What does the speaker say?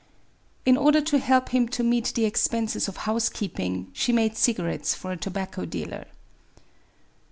In order to help him to meet the expenses of housekeeping, she made cigarettes for a tobacco dealer.